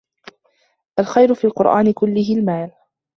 الْخَيْرُ فِي الْقُرْآنِ كُلِّهِ الْمَالُ